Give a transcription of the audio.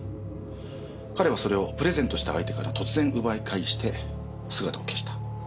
彼はそれをプレゼントした相手から突然奪い返して姿を消した。